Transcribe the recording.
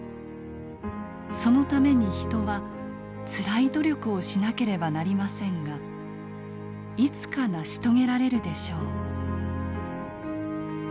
そのために人はつらい努力をしなければなりませんがいつか成し遂げられるでしょう」。